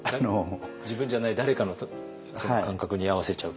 自分じゃない誰かの感覚に合わせちゃう。